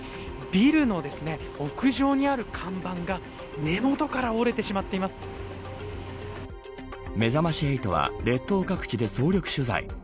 ビルの屋上にある看板が根元からめざまし８は列島各地で総力取材。